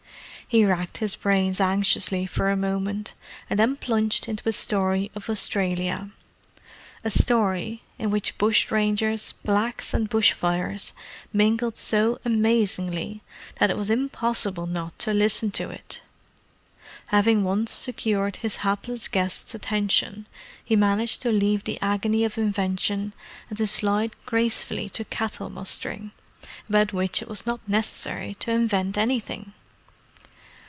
He racked his brains anxiously for a moment, and then plunged into a story of Australia—a story in which bushrangers, blacks and bushfires mingled so amazingly that it was impossible not to listen to it. Having once secured his hapless guest's attention, he managed to leave the agony of invention and to slide gracefully to cattle mustering, about which it was not necessary to invent anything.